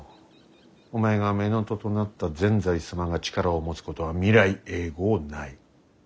お前が乳父となった善哉様が力を持つことは未来永劫ない。